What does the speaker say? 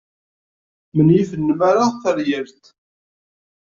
Menyif nnmara taryalt.